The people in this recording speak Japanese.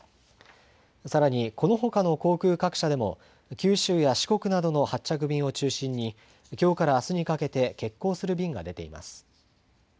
さらにこのほかの航空各社でも九州や四国などの発着便を中心に、きょうからあすにかけて欠航する便が出ています。